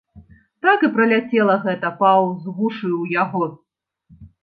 Так і праляцела гэта паўз вушы ў яго.